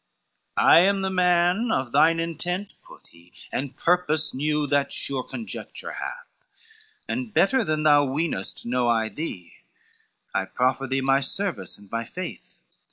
X "I am the man of thine intent," quoth he, "And purpose new that sure conjecture hath, And better than thou weenest know I thee: I proffer thee my service and my faith.